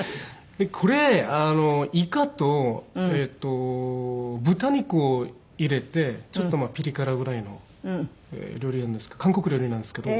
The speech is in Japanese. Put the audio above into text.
これイカとえっと豚肉を入れてちょっとピリ辛ぐらいの料理なんですけど韓国料理なんですけど。